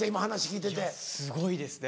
いやすごいですね。